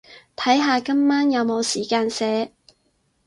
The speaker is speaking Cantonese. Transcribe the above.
睇下今晚有冇時間寫